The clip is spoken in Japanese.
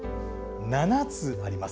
７つあります。